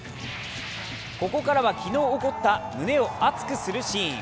ここからは昨日起こった胸を熱くするシーン。